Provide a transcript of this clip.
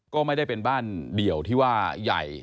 ก็ไม่ได้เป็นบ้านเดี่ยวที่ว่าใหญ่